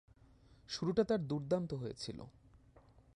শুরুটা তার দূর্দান্ত হয়েছিল।